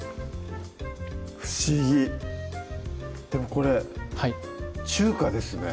不思議でもこれ中華ですね